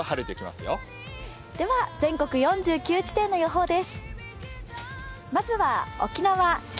では全国４９地点の予報です。